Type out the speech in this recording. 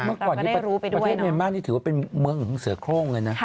เราก็ได้รู้ไปด้วยนะประเทศเมียนมาส์นี่ถือว่าเป็นเมืองเสือโครงเลยนะ